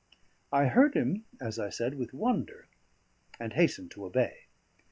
I heard him, as I said, with wonder, and hastened to obey.